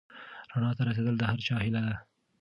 رڼا ته رسېدل د هر چا هیله ده.